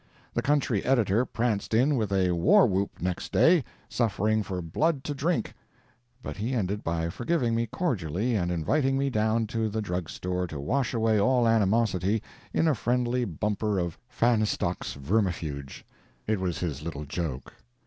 The country editor pranced in with a warwhoop next day, suffering for blood to drink; but he ended by forgiving me cordially and inviting me down to the drug store to wash away all animosity in a friendly bumper of "Fahnestock's Vermifuge." It was his little joke.